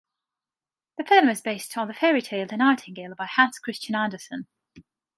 The film is based on the fairy tale "The Nightingale" by Hans Christian Andersen.